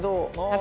私